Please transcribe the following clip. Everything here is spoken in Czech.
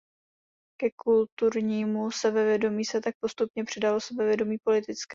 Ke kulturnímu sebevědomí se tak postupně přidalo sebevědomí politické.